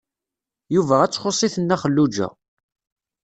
Yuba ad ttxuṣ-it Nna Xelluǧa.